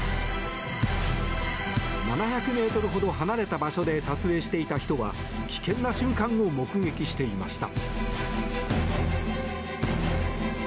７００ｍほど離れた場所で撮影していた人は危険な瞬間を目撃していました。